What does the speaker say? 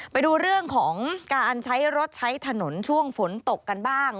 ไปดูเรื่องของการใช้รถใช้ถนนช่วงฝนตกกันบ้าง